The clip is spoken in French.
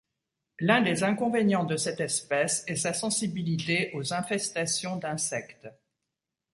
L'un des inconvénients de cette espèce est sa sensibilité aux infestations d'insectes.